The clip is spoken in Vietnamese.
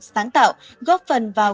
sáng tạo góp phần vào